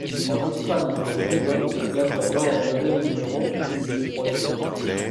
En Australie, l’album se classe d’abord au neuvième numéro puis touche le troisième.